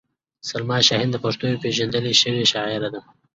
سلما شاهین د پښتنو یوه پېژندل شوې شاعره ده.